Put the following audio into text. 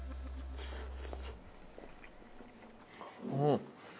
うん！